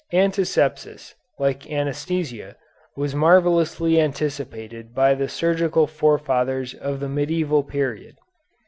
Antisepsis, like anæsthesia, was marvellously anticipated by the surgical forefathers of the medieval period.